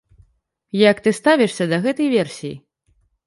Як ты ставішся да гэтай версіі?